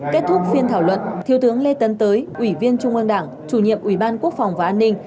kết thúc phiên thảo luận thiếu tướng lê tấn tới ủy viên trung ương đảng chủ nhiệm ủy ban quốc phòng và an ninh